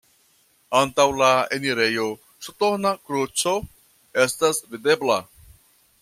Antaŭ la enirejo ŝtona kruco estas videbla.